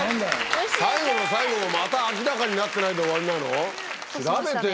最後の最後もまた「明らかになってない」で終わりなの？